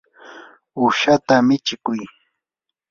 uushata michikuy.